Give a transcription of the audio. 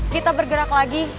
kita bergerak lagi